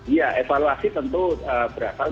iya evaluasi tentu berasal